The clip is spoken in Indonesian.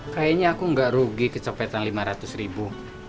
kayanya aku ga rugi kecepetan lima ratus ribu